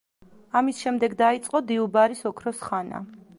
ამის შემდეგ, დაიწყო დიუ ბარის ოქროს ხანა.